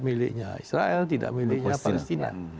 miliknya israel tidak miliknya palestina